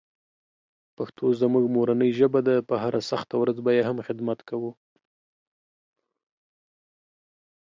پښتو زموږ مورنۍ ژبه ده، په هره سخته ورځ به یې هم خدمت کوو.